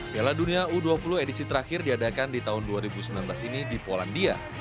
piala dunia u dua puluh edisi terakhir diadakan di tahun dua ribu sembilan belas ini di polandia